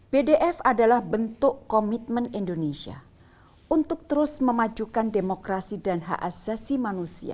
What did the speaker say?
bdf adalah bentuk komitmen indonesia untuk terus memajukan demokrasi dan hak asasi manusia